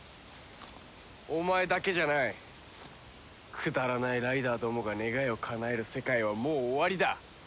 くだらないライダーどもが願いをかなえる世界はもう終わりだ！